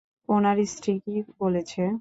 ওনার স্ত্রী কী বলেছে?